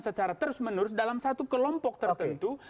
secara terus menerus dalam satu kelompok tertentu